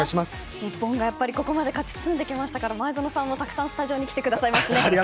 日本がここまで勝ち進んできましたから前園さんも、たくさんスタジオに来てくださいますね。